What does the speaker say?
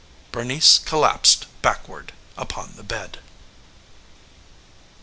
Bernice collapsed backward upon the bed.